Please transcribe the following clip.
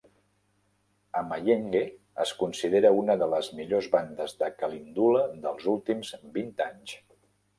Amayenge es considera una de les millors bandes de kalindula dels últims vint anys.